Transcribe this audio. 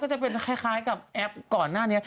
จะเป็นคล้ายกับแอปก่อนหน้านี้